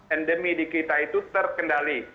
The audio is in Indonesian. endemi di kita itu terkendali